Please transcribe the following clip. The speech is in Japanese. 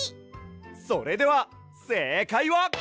それではせいかいは！？